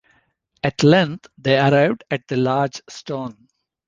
At length they arrived at the large stone.